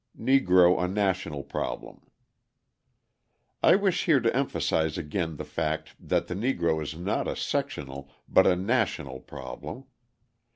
Negro a National Problem I wish here to emphasise again the fact that the Negro is not a sectional but a national problem.